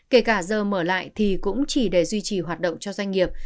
kể cả giờ mở lại thì cũng chỉ để duy trì hoạt động cho doanh nghiệp